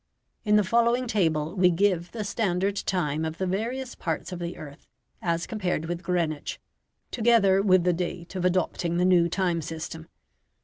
In the following table we give the standard time of the various parts of the earth as compared with Greenwich, together with the date of adopting the new time system.